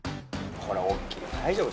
これは大きい大丈夫？